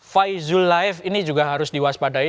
faizullahev ini juga harus diwaspadai